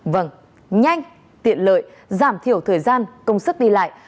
vâng nhanh tiện lợi giảm thiểu thời gian công sức đi lại